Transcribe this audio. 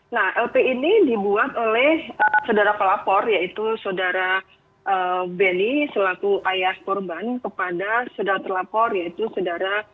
nah lp ini dibuat oleh saudara pelapor yaitu saudara benny selaku ayah korban kepada saudara terlapor yaitu saudara